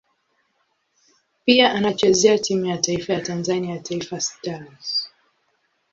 Pia anachezea timu ya taifa ya Tanzania Taifa Stars.